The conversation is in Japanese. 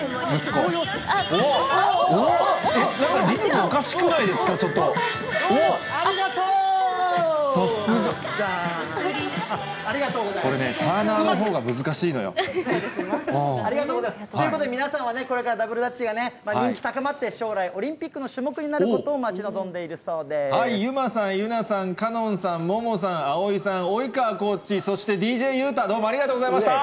これね、ありがとうございます。ということで、皆さんはね、これからダブルダッチが人気高まって、将来、オリンピックの種目になることを待ち望んでいるそうゆまさん、ゆなさん、かのんさん、ももさん、あおいさん、おいかわコーチ、そしてＤＪユータ、どうもありがとうございました。